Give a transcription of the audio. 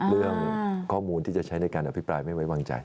เรื่องข้อมูลที่จะใช้ในการอภิปรายไม่ไว้วางใจ